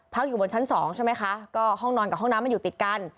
อยู่บนชั้นสองใช่ไหมคะก็ห้องนอนกับห้องน้ำมันอยู่ติดกัน